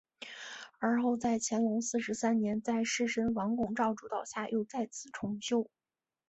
而后在乾隆四十三年在士绅王拱照主导下又再次重修。